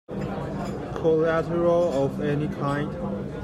Collateral of any kind?